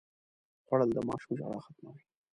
خوړل د ماشوم ژړا ختموي